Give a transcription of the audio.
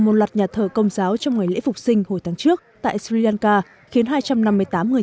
một loạt nhà thờ công giáo trong ngày lễ phục sinh hồi tháng trước tại sri lanka khiến hai trăm năm mươi tám người